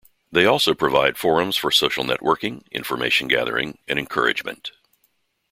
They also provide forums for social-networking, information gathering, and encouragement.